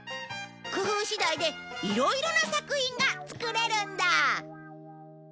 工夫次第でいろいろな作品が作れるんだ！